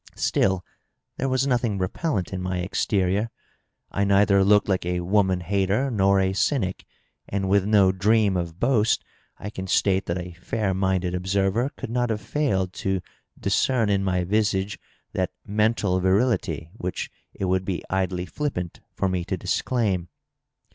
Still, there was nothing xepellent in my exterior; I neither looked like a woman hater nor a cynic, and with no dream of boast I can state that a fair minded observer could not have failed to discern in my visage that mental virility which it would be idly flippant for me to disclaim.